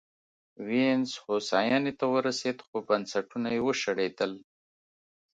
وینز هوساینې ته ورسېد خو بنسټونه یې وشړېدل